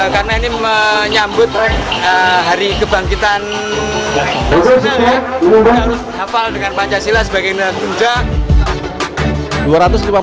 karena ini menyambut hari kebangkitan pancasila kita harus hafal dengan pancasila sebagai negara kuncak